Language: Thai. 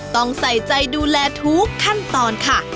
ต้องใส่ใจดูแลทุกขั้นตอนค่ะ